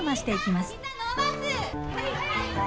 はい！